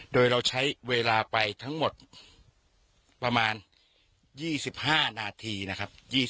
โดยเราใช้เวลาไปทั้งหมดประมาณ๒๕นาทีนะครับ